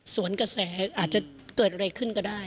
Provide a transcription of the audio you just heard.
ส่วนกระแสอาจจะเกิดอะไรขึ้นก็ได้